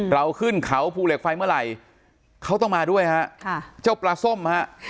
เราขึ้นเขาภูเหล็กไฟเมื่อไหร่เขาต้องมาด้วยฮะค่ะเจ้าปลาส้มฮะ